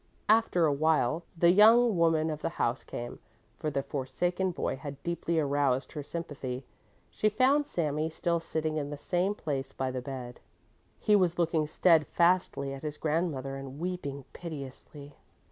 After a while the young woman of the house came, for the forsaken boy had deeply aroused her sympathy. She found Sami still sitting in the same place by the bed. He was looking steadfastly at his grandmother and weeping piteously.